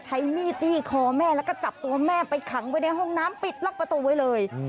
ใช้มีดจี้คอแม่แล้วก็จับตัวแม่ไปขังไว้ในห้องน้ำปิดล็อกประตูไว้เลย